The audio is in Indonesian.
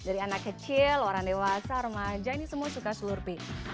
dari anak kecil orang dewasa remaja ini semua suka slurpi